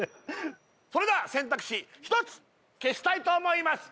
それでは選択肢１つ消したいと思います